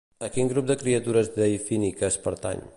A quin grup de criatures deífiques pertany?